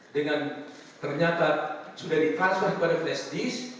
dengan ternyata sudah di transfer kepada flash disk